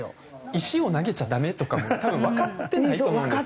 石を投げちゃダメとかも多分わかってないと思うんです。